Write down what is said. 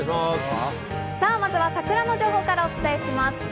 さあ、まずは桜の情報からお伝えします。